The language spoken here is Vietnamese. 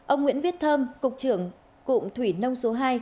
ông nguyễn viết thơm cục trưởng cụm thủy nông số hai